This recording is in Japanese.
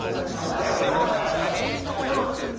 ありがとうございます９つです